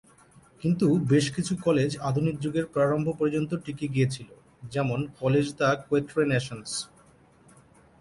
কিন্তু বেশ কিছু কলেজ আধুনিক যুগের প্রারম্ভ পর্যন্ত টিকে গিয়েছিল, যেমন কলেজ দ্যা কোয়াট্রে-ন্যাশন্স।